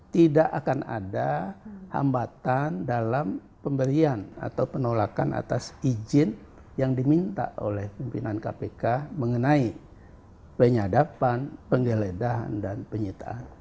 tidak akan ada hambatan dalam pemberian atau penolakan atas izin yang diminta oleh pimpinan kpk mengenai penyadapan penggeledahan dan penyitaan